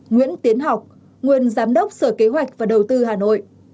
nguyễn tiến học nguyên giám đốc sở kế hoạch và đầu tư hà nội